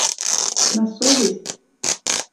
На совесть!